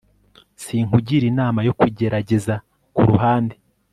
Sinkugira inama yo kugerageza kuruhande